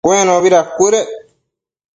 Cuenobi dacuëdec